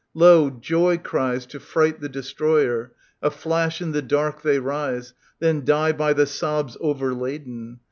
Lo, joy cries to fright the Destroyer ; a flash in the dark they rise. Then die by the sobs overladen.